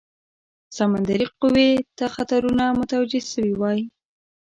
سمندري قوې ته خطرونه متوجه سوي وای.